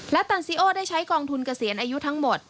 ตันซิโอได้ใช้กองทุนเกษียณอายุทั้งหมด